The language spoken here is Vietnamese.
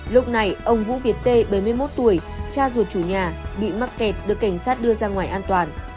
lúc này ông vũ việt tê bảy mươi một tuổi cha ruột chủ nhà bị mắc kẹt được cảnh sát đưa ra ngoài an toàn